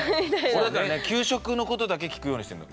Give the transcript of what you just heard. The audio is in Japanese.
俺だからね給食のことだけ聞くようにしてるの。